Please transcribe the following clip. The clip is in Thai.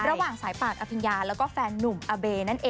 ระหว่างสายป่านอภิญญาและแฟนนุ่มอบ๋